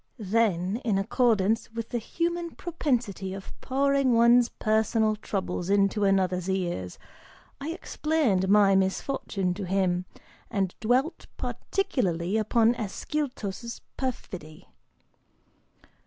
Then, in accordance with the human propensity of pouring one's personal troubles into another's ears, I explained my misfortune to him, and dwelt particularly upon Ascyltos' perfidy.)